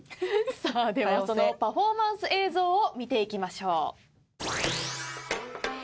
さあではそのパフォーマンス映像を見ていきましょう。